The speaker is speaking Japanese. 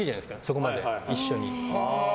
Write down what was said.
そこまで一緒に。